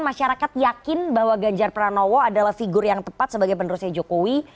masyarakat yakin bahwa ganjar pranowo adalah figur yang tepat sebagai penerusnya jokowi